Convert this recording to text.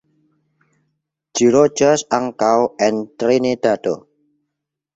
Ĝi loĝas ankaŭ en Trinidado.